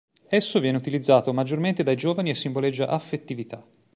Esso viene utilizzato maggiormente dai giovani e simboleggia affettività.